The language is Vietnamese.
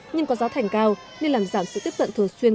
nhưng có gió thành cao nên làm giảm sự tiếp cận thường xuyên